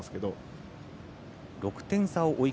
６点差を追う